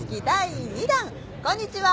こんにちは！